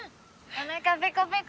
おなかペコペコ！